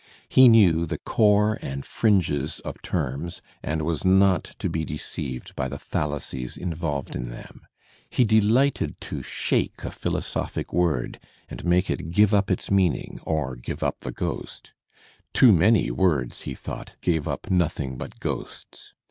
He knew the core and fringes of terms and was not to be deceived by the fallacies involved in them. He delighted to shake a philosophic word and make it give^ up its meaning or give up the ghost. Too many words, he thought, gave up nothing but ghosts.